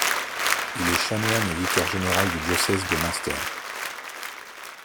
Il est chanoine et vicaire-général du diocèse de Münster.